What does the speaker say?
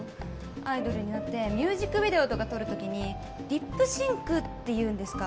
アイドルになってミュージックビデオとか撮る時にリップシンクっていうんですか？